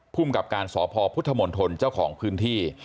ภูมิกับการสพพุทธมนตรเจ้าของพื้นที่